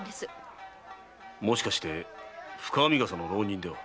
もしかして深編み笠の浪人では。